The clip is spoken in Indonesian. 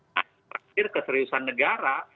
nah berarti keseriusan negara